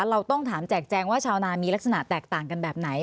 เราต้องถามแจกแจงว่าชาวนามีลักษณะแตกต่างกันแบบไหน